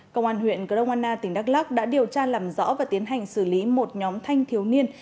công an huyện grong anna tỉnh đắk lắc đã điều tra làm rõ và tiến hành xử lý một nhóm thanh thiếu niên